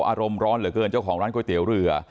อารมณ์ร้อนเหลือเกินเจ้าของร้านก๋วยเตี๋ยวเรือ